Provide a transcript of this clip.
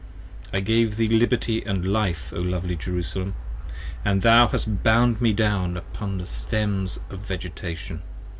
10 I gave thee liberty and life, O lovely Jerusalem, And thou hast bound me down upon the Stems of Vegetation.